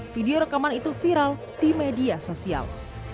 video rekaman itu viral di media sosial